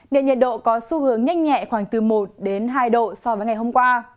nền nhiệt độ có xu hướng nhanh nhẹ khoảng từ một đến hai độ so với ngày hôm qua